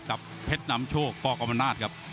กับเพชรนำโชคปกรรมนาศครับ